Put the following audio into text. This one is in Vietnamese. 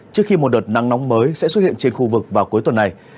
trước khi một đợt nắng nóng mới sẽ xuất hiện trên khu vực vào cuối tuần này